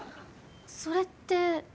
それって。